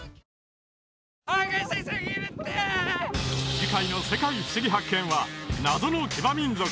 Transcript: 次回の「世界ふしぎ発見！」は謎の騎馬民族